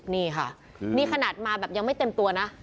นี่ค่ะนี่ขนาดมาแบบยังไม่เต็มตัวนะ